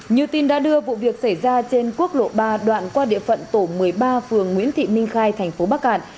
như tin đã đưa vụ việc xảy ra trên quốc lộ ba đoạn qua địa phận tổ một mươi ba phường nguyễn thị minh khai thành phố bắc cạn